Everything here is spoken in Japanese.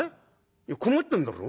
「いや困ってんだろ？